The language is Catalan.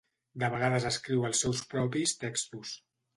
De vegades escriu els seus propis textos.